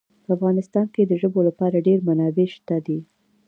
په افغانستان کې د ژبو لپاره ډېرې منابع شته دي.